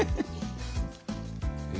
え？